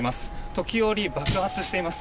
時折、爆発しています。